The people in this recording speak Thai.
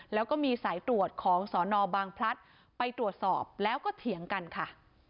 แล้วก็มีสายตรวจของสนบางพลัดไปตรวจสอบแล้วก็เถียงกันค่ะ